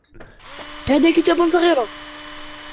هذا كتاب صغير.